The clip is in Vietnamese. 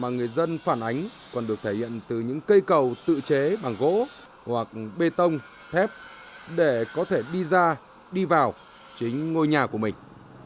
người dân phản ánh còn được thể hiện từ những cây cầu tự chế bằng gỗ hoặc bê tông thép để có thể đi ra đi vào chính ngôi nhà của mình